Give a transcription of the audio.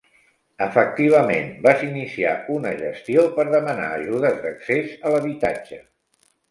Efectivament vas iniciar una gestió per demanar ajudes d'accés a l'habitatge.